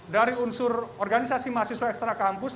dari unsur organisasi mahasiswa ekstra kampus